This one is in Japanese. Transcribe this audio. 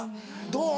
どう？